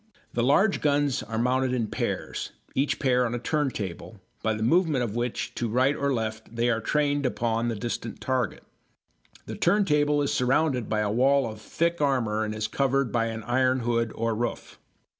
The large guns are mounted in pairs, each pair on a turntable, by the movement of which to right or left they are trained upon the distant target. The turntable is surrounded by a wall of thick armour and is covered by an iron hood or roof.